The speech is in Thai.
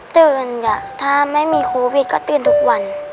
ตื่นจ้ะถ้าไม่มีโควิดก็ตื่นทุกวัน